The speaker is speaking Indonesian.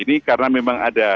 ini karena memang ada